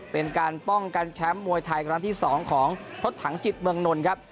เป็นการป้องกันแชมป์มวยไทยครั้งที่๒ของทดถังจิตเมืองนนท์ครับ